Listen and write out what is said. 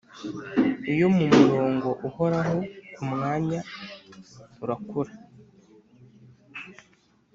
iyo mumurongo uhoraho kumwanya urakura ';